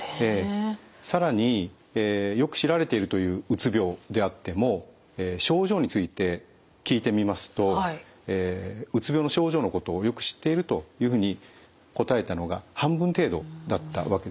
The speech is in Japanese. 更によく知られているといううつ病であっても症状について聞いてみますとうつ病の症状のことをよく知っているというふうに答えたのが半分程度だったわけですね。